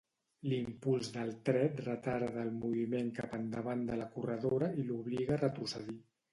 L'impuls del tret retarda el moviment cap endavant de la corredora i l'obliga a retrocedir.